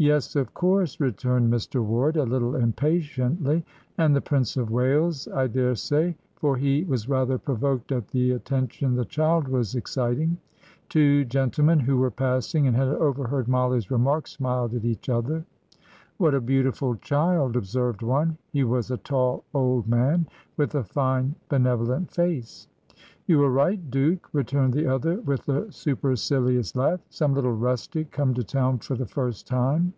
"Yes, of course," returned Mr. Ward, a little impatiently, "and the Prince of Wales, I daresay;" for he was rather provoked at the attention the child was exciting. Two gentlemen who were passing, and had overheard Mollie's remark, smiled at each other. "What a beautiful child!" observed one; he was a tall, old man, with a fine, benevolent face. "You are right, Duke," returned the other, with a supercilious laugh. "Some little rustic come to town for the first time."